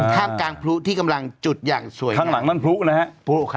ท่ามกลางพลุที่กำลังจุดอย่างสวยข้างหลังนั่นพลุนะฮะพลุครับ